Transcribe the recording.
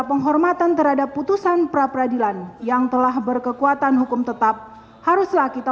penghormatan terhadap putusan pra peradilan yang telah berkekuatan hukum tetap haruslah kita